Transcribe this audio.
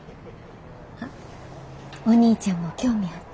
あお兄ちゃんも興味あったら。